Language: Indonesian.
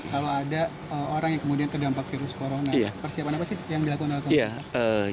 kalau ada orang yang kemudian terdampak virus corona persiapan apa sih yang dilakukan oleh pemerintah